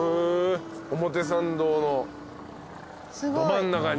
表参道のど真ん中に。